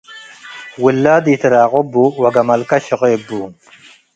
ውላድ ኢትራቅቡ ወገመልከ ሽቄ እቡ።